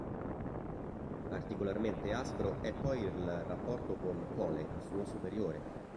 Particolarmente aspro è poi il rapporto con Cole, suo superiore.